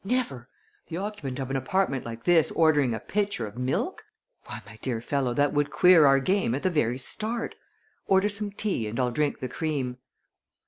"Never! The occupant of an apartment like this ordering a pitcher of milk! Why, my dear fellow, that would queer our game at the very start. Order some tea and I'll drink the cream."